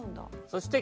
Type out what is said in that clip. そして。